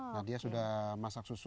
nah dia sudah masak susu